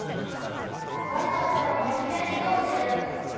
わらわからもお土産どうぞである。